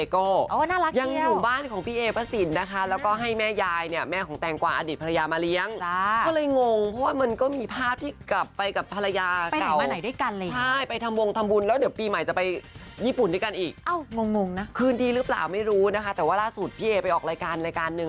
คืนดีรึเปล่าไม่รู้นะคะแต่ว่าร่าสุดพี่เอไปออกรายการหนึ่ง